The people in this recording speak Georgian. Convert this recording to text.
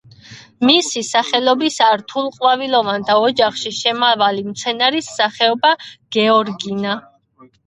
მისი სახელობისაა რთულყვავილოვანთა ოჯახში შემავალი მცენარის სახეობა გეორგინა.